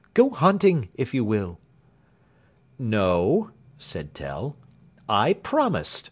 Go hunting, if you will." "No," said Tell; "I promised.